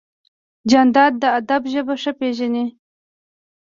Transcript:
جانداد د ادب ژبه ښه پېژني.